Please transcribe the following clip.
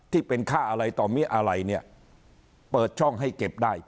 ที่เป็นค่าอะไรต่อมิอะไรเนี่ยเปิดช่องให้เก็บได้